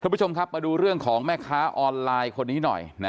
คุณผู้ชมครับมาดูเรื่องของแม่ค้าออนไลน์คนนี้หน่อยนะ